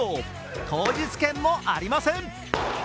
当日券もありません。